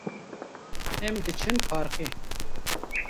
Em diçin parkê.